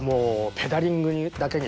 ペダリングだけに？